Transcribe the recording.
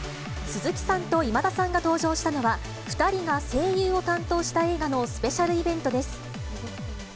鈴木さんと今田さんが登場したのは、２人が声優を担当した映画のスペシャルイベントです。